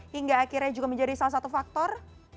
hingga akhirnya juga menjadi salah satu faktor